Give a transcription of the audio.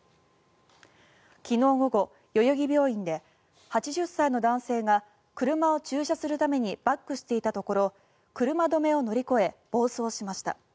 昨日午後代々木病院で８０歳の男性が車を駐車するためにバックしていたところ車止めを乗り越え暴走しました。